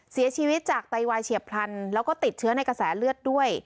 เสียชีวิตจากไตวายเฉียบพลันแล้วก็ติดเชื้อในกระแสเลือดด้วย